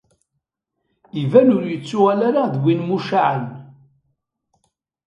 Iban ur yettuɣal ara d win mucaɛen.